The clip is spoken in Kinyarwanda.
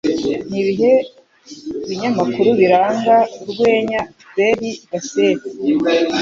Nibihe binyamakuru biranga Urwenya Fred Bassett?